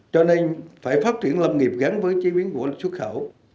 cho nên phải phát triển lâm nghiệp gắn với chế biến của lịch xuất khẩu